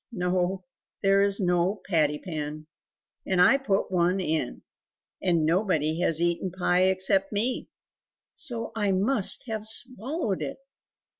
"No; there is no patty pan, and I put one in; and nobody has eaten pie except me, so I must have swallowed it!"